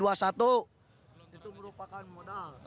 itu merupakan modal